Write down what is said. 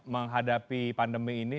menghadapi pandemi ini